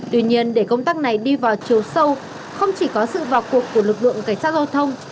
tuy nhiên để công tác này đi vào chiều sâu không chỉ có sự vào cuộc của lực lượng cảnh sát giao thông